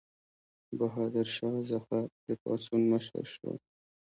بهادر شاه ظفر د پاڅون مشر شو.